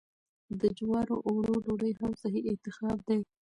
د جوارو اوړو ډوډۍ هم صحي انتخاب دی.